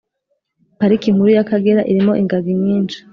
Pariki nkuru y’ akagera irimo ingagi nyinshi